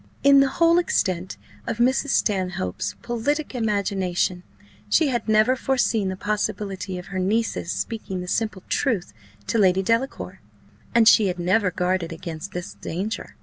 In the whole extent of Mrs. Stanhope's politic imagination, she had never foreseen the possibility of her niece's speaking the simple truth to Lady Delacour, and she had never guarded against this danger.